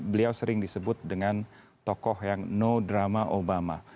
beliau sering disebut dengan tokoh yang no drama obama